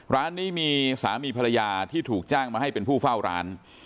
ร้านนี้มีสามีภรรยาที่ถูกจ้างมาให้เป็นผู้เฝ้าร้าน